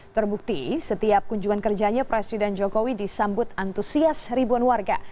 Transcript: terbukti setiap kunjungan kerjanya presiden jokowi disambut antusias ribuan warga